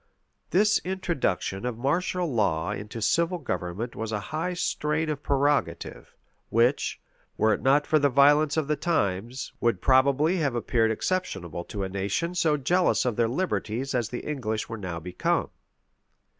This introduction of martial law into civil government was a high strain of prerogative; which, were it not for the violence of the times, would probably have appeared exceptionable to a nation so jealous of their liberties as the English were now become.